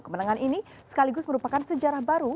kemenangan ini sekaligus merupakan sejarah baru